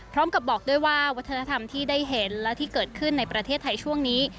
บอกด้วยว่าวัฒนธรรมที่ได้เห็นและที่เกิดขึ้นในประเทศไทยช่วงนี้